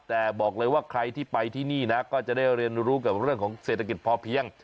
แต่บอกเลยว่าใครที่ไปที่นี่นะก็จะได้เรียนรู้กับเรื่องของเศรษฐกิจพอเพียง